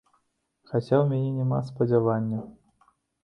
Хаця ў мяне няма спадзяванняў.